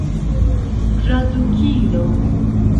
tradukilo